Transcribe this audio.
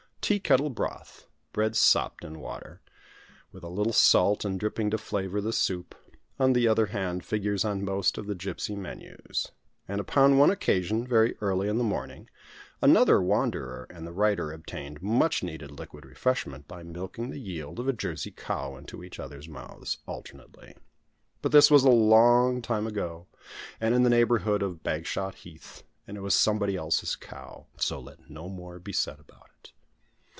"Tea kettle broth" bread sopped in water, with a little salt and dripping to flavour the soup on the other hand, figures on most of the gipsy menus. And upon one occasion, very early in the morning, another wanderer and the writer obtained much needed liquid refreshment by milking the yield of a Jersey cow into each other's mouths, alternately. But this was a long time ago, and in the neighbourhood of Bagshot Heath, and it was somebody else's cow; so let no more be said about it.